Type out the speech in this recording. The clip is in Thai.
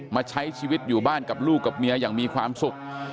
มาใช้ชีวิตอยู่บ้านกับลูกกับเมียอย่างมีความสุข